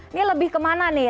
ini lebih kemana nih